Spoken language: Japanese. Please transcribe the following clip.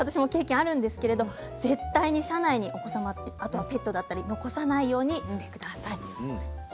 私も経験あるんですけれど絶対に車内にお子さんやペットを残さないようにしてください。